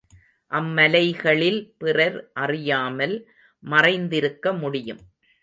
அம்மலைகளில் பிறர் அறியாமல் மறைந்திருக்க முடியும்.